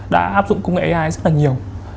đã áp dụng công nghệ ai rất là nhiều